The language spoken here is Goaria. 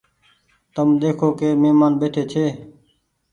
تو ۮيکو ڪي مهمآن ٻيٺي ڇي۔